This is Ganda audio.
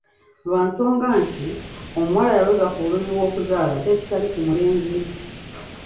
Lwa nsonga nti, omuwala yaloza ku bulumi bw'okuzaala ate ekitali ku mulenzi.